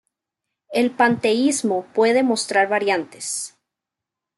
El panteísmo puede mostrar variantes.